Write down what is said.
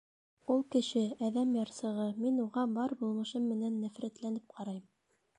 Ул — кеше, әҙәм ярсығы, мин уға бар булмышым менән нәфрәтләнеп ҡарайым.